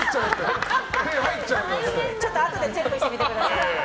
あとでチェックしてみてください。